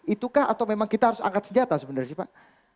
itukah atau memang kita harus angkat senjata sebenarnya sih pak